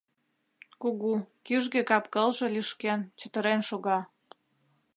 Кугу, кӱжгӧ кап-кылже лӱшкен, чытырен шога.